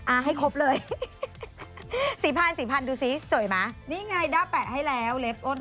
อ่าให้ครบเลยสีผันดูสิสวยไหมนี่ไงได้แปะให้แล้วเล็บอ้น